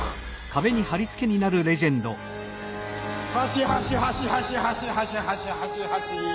ハシハシハシハシハシハシハシハシ！